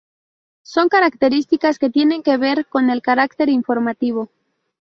Son características que tienen que ver con el carácter informativo.